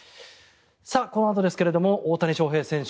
このあとですけれども大谷翔平選手